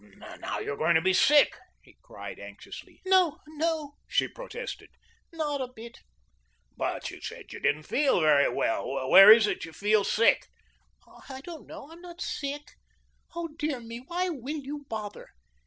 "Now you're going to be sick," he cried anxiously. "No, no," she protested, "not a bit." "But you said you didn't feel very well. Where is it you feel sick?" "I don't know. I'm not sick. Oh, dear me, why will you bother?"